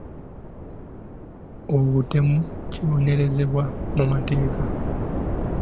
Obutemu kibonerezebwa mu mateeka.